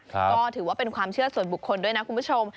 ก็ถือว่าเป็นความเชื่อส่วนบุคคลด้วยนะคุณผู้ชม